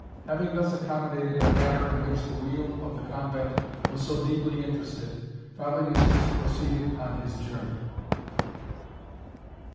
Having thus accommodated a matter in which the weal of the convent was so deeply interested, Father Eustace proceeded on his journey.